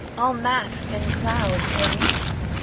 All masked in clouds her mien.